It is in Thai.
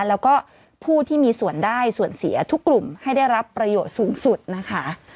แล้วก็ผู้ที่มีส่วนได้ส่วนเสียทุกกลุ่มให้ได้รับประโยชน์สูงสุดนะคะ